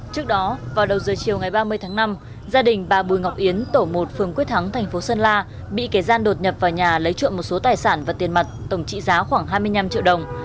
trước đó vào đầu giờ chiều ngày ba mươi tháng năm gia đình bà bùi ngọc yến tổ một phường quyết thắng thành phố sơn la bị kẻ gian đột nhập vào nhà lấy trộm một số tài sản và tiền mặt tổng trị giá khoảng hai mươi năm triệu đồng